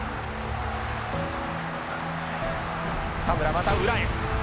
田村、また裏へ。